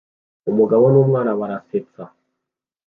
Umugabo n'umwana barasetsa